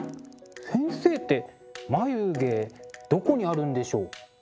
先生って眉毛どこにあるんでしょう？